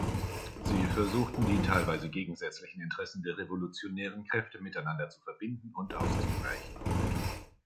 Sie versuchten, die teilweise gegensätzlichen Interessen der revolutionären Kräfte miteinander zu verbinden und auszugleichen.